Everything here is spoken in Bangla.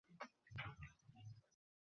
হেই, আমার বাবা-মা বাসায় নেই।